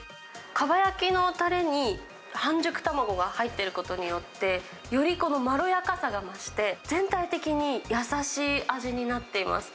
かば焼きのたれに、半熟卵が入っていることによって、よりこのまろやかさが増して、全体的に優しい味になっています。